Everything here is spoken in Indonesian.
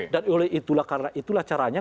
dan oleh itulah caranya